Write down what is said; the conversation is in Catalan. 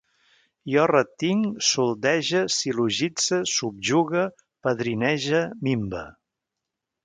Jo retinc, soldege, sil·logitze, subjugue, padrinege, minve